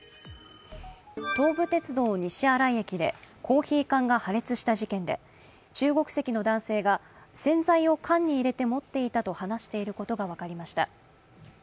東武鉄道・西新井駅でコーヒー缶が破裂した事件で中国籍の男性が、洗剤を缶に入れて持っていたと話していることが分かりました。